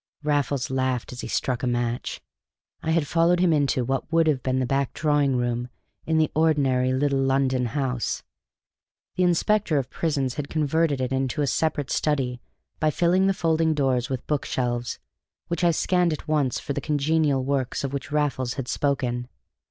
Raffles laughed as he struck a match. I had followed him into what would have been the back drawing room in the ordinary little London house; the inspector of prisons had converted it into a separate study by filling the folding doors with book shelves, which I scanned at once for the congenial works of which Raffles had spoken.